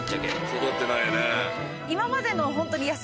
育ってないね。